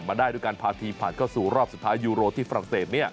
ได้ด้วยการพาทีมผ่านเข้าสู่รอบสุดท้ายยูโรที่ฝรั่งเศส